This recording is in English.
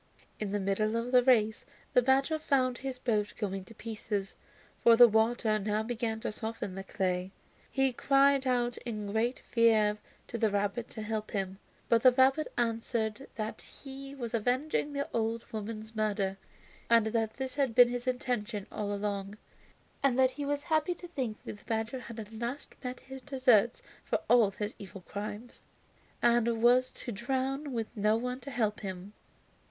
In the middle of the race the badger found his boat going to pieces, for the water now began to soften the clay. He cried out in great fear to the rabbit to help him. But the rabbit answered that he was avenging the old woman's murder, and that this had been his intention all along, and that he was happy to think that the badger had at last met his deserts for all his evil crimes, and was to drown with no one to help him.